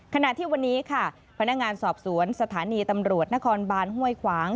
ขณะที่วันนี้ค่ะพนักงานสอบสวนสถานีตำรวจนครบานห้วยขวาง